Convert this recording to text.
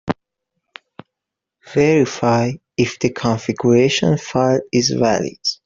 Verify if the configuration file is valid.